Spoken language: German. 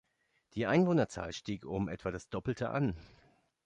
Die Einwohnerzahl stieg um etwa das Doppelte an.